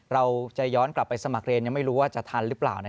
เราจะย้อนกลับไปสมัครเรียนยังไม่รู้ว่าจะทันหรือเปล่า